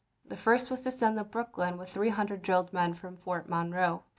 The first was to send the Brooklyn with three hun dred drilled men from Fort Monroe.